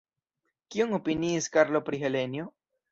Kion opiniis Karlo pri Helenjo?